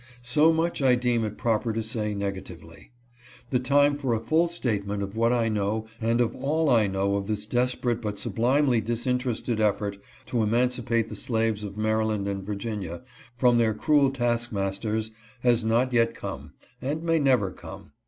So much I deem it proper to say negatively. The time for a full statement of what I know and of all I know of this desperate but sublimely dis interested effort to emancipate the slaves of Maryland and Virginia from their cruel task masters, has not yet come, and may never come.